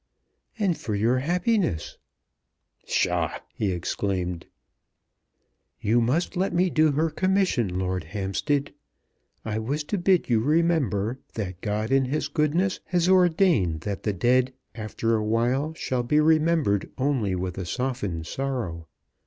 "And for your happiness." "Psha!" he exclaimed. "You must let me do her commission, Lord Hampstead. I was to bid you remember that God in His goodness has ordained that the dead after awhile shall be remembered only with a softened sorrow.